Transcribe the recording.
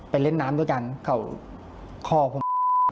เล่นน้ำด้วยกันเขาคอผม